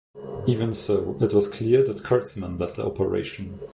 Even so, it was clear that Kurtzman led the operation.